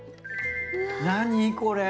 何これ？